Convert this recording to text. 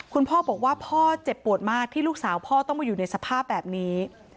คุณพ่อบอกว่าพ่อเจ็บปวดมากที่ลูกสาวพ่อต้องมาอยู่ในสภาพแบบนี้